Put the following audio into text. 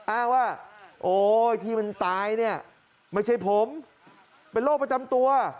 อ้างว่าโอ๊ยที่มันตายเนี่ยไม่ใช่ผมเป็นโรคประจำตัว